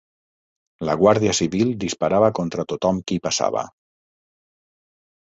La Guàrdia Civil disparava contra tothom qui passava.